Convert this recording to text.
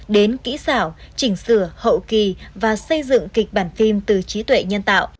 đến kỹ xảo chỉnh sửa hậu kỳ và xây dựng kịch bản phim từ trí tuệ nhân tạo